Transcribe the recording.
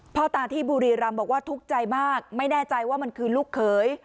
พ่อตาที่บุรีรำบอกว่าทุกข์ใจมากไม่แน่ใจว่ามันคือลูกเขย